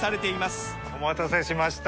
お待たせしました